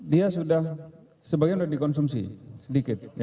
dia sudah sebagian dari konsumsi sedikit ya ya